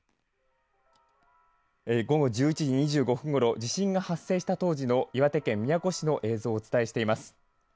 午後１１時２５分ごろ地震が発生した当時の岩手県宮古市の映像をお伝えしています。